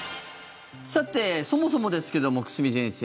さて、そもそもですけども久住先生